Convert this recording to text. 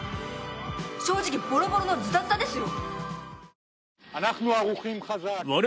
正直ボロボロのズタズタですよ。